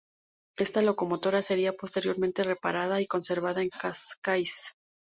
Esta locomotora sería, posteriormente, reparada y conservada en Cascais.